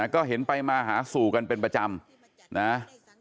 ก็เห็นไปมาหาสู่กันเป็นประจำนะ